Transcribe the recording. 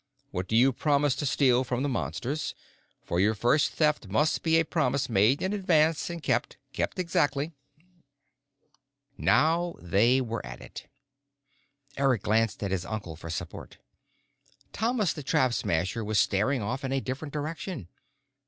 What do you promise to steal from the Monsters? For your first Theft must be a promise made in advance and kept, kept exactly." Now they were at it. Eric glanced at his uncle for support. Thomas the Trap Smasher was staring off in a different direction.